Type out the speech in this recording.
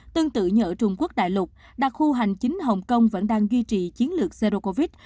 tương tự như ở trung quốc đại lục đặc khu hành chính hồng kông vẫn đang duy trì chiến lược zero covid